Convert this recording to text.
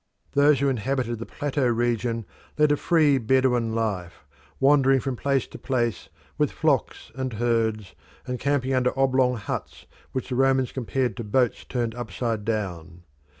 Those who inhabited the plateau region led a free Bedouin life, wandering from place to place with flocks and herds, and camping under oblong huts which the Romans compared to boats turned upside down.